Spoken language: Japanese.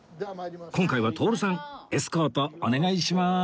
今回は徹さんエスコートお願いします